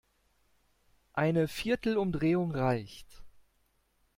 Eine viertel Umdrehung reicht.